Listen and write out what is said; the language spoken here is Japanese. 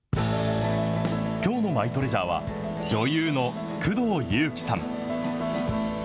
きょうのマイトレジャーは、女優の工藤夕貴さん。